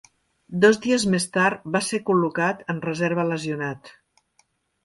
Dos dies més tard, va ser col·locat en reserva lesionat.